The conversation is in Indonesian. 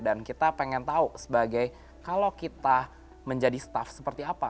dan kita pengen tahu sebagai kalau kita menjadi staff seperti apa